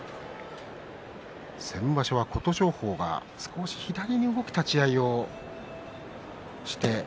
先場所は琴勝峰が少し左に動く立ち合いをしました。